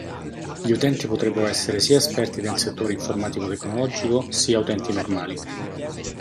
Gli utenti potrebbero essere sia esperti nel settore informatico/tecnologico, sia utenti normali.